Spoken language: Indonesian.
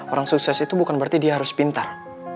orang sukses itu bukan berarti dia harus pintar